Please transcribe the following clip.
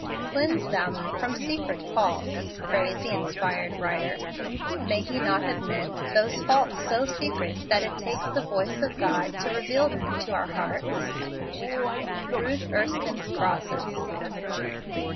Cleanse thou me from secret faults," prayed the inspired writer. May he not have meant those faults so secret that it takes the voice of God to reveal them to our hearts ? Ruth Erskine's Crosses.